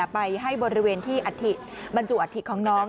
ไปให้บริเวณที่อัฐิบรรจุอัฐิของน้อง